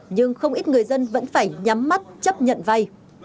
nhưng không ít người dân vẫn phải nhắm mắt chấp nhận vay